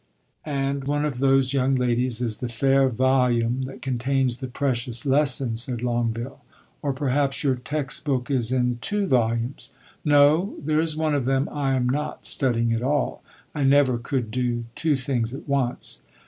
"And one of those young ladies is the fair volume that contains the precious lesson," said Longueville. "Or perhaps your text book is in two volumes?" "No; there is one of them I am not studying at all. I never could do two things at once."